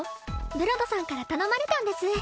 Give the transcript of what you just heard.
ブロドさんから頼まれたんです